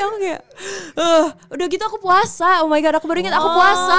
aku kayak udah gitu aku puasa oh my god aku baru inget aku puasa